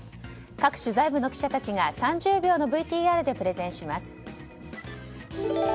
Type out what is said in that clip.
各取材部の記者たちが３０秒のＶＴＲでプレゼンします。